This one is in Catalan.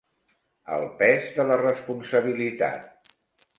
El pes de la responsabilitat.